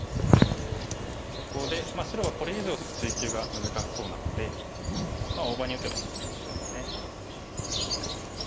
そこで白はこれ以上ちょっと追及が難しそうなのでまあ大場に打てば普通ですね。